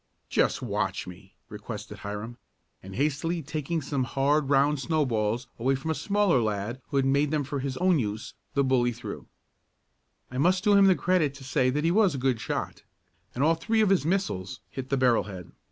"Just watch me," requested Hiram, and hastily taking some hard round snowballs away from a smaller lad who had made them for his own use, the bully threw. I must do him the credit to say that he was a good shot, and all three of his missiles hit the barrel head.